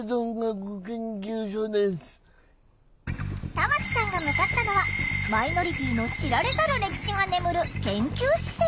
玉木さんが向かったのはマイノリティーの知られざる歴史が眠る研究施設。